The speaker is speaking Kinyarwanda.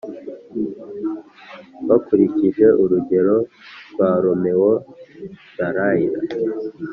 bakurikije urugero rwa roméo dallaire